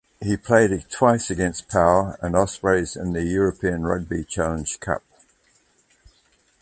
He played twice against Pau and Ospreys in the European Rugby Challenge Cup.